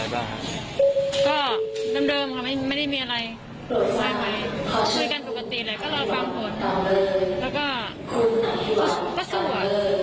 แล้วก็ก็สู้อ่ะ